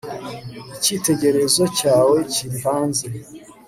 Icyitegererezo cyawe kiri hanze